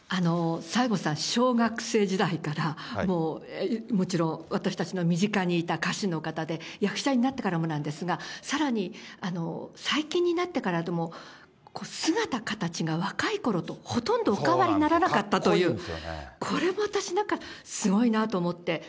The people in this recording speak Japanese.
西郷さん、小学生時代から、もう、もちろん、私たちの身近にいた歌手の方で、役者になってからもなんですが、さらに、最近になってからでも、姿、形が若いころとほとんどお変わりならなかったという、これ私、なんかすごいなと思って。